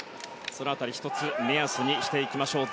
その辺り１つ目安にしていきましょう。